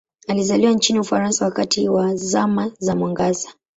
Alizaliwa nchini Ufaransa wakati wa Zama za Mwangaza.